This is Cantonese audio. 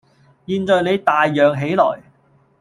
現在你大嚷起來，